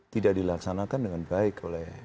tidak dilaksanakan dengan baik